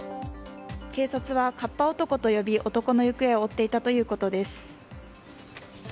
警察はかっぱ男と呼び男の行方を追っていたということです。